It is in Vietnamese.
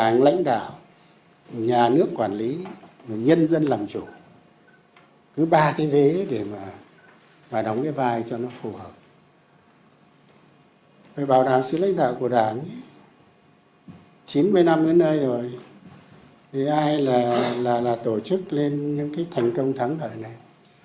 chín mươi năm đến nơi rồi thì ai là tổ chức lên những cái thành công thắng đợi này